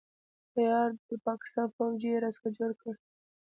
تيار د پاکستان فوجي يې را څخه جوړ کړ.